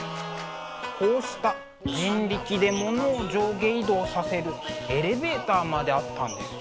こうした人力で物を上下移動させるエレベーターまであったんです。